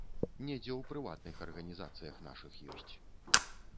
Недзе ў прыватных арганізацыях нашых ёсць.